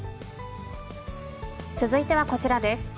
続いてはこちらです。